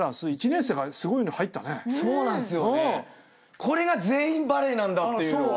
これが全員バレーなんだっていうのが。